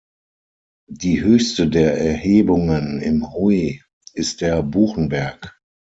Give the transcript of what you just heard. Die höchste der Erhebungen im Huy ist der Buchenberg.